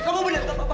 kamu benar gak apa apa